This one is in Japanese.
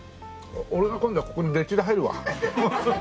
俺が今度ここに丁稚で入るわ。